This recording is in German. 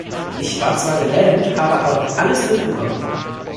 Ich war zwar gelähmt, habe aber noch alles mitbekommen.